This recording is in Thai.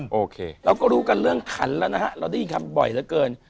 โอเคเราก็รู้กันเรื่องขันแล้วนะฮะเราได้ยินคำบ่อยเหลือเกิน